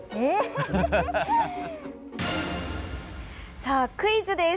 さあ、クイズです。